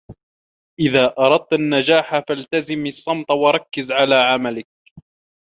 إذا أردت النجاح فلتزم الصمت وركز على عملك